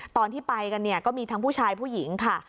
ตอนที่ไปกันเนี่ยก็มีทั้งผู้ชายผู้หญิงค่ะ